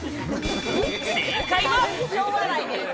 正解は。